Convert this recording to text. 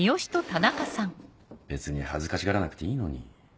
別に恥ずかしがらなくていいのに。